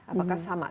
apakah sama saja